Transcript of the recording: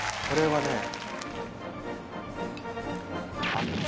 これはね